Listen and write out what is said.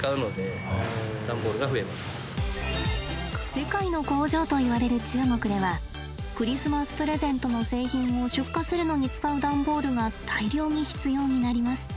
世界の工場といわれる中国ではクリスマスプレゼントの製品を出荷するのに使う段ボールが大量に必要になります。